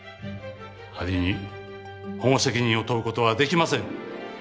アリに保護責任を問う事はできません。